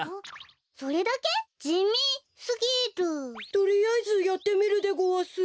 とりあえずやってみるでごわす。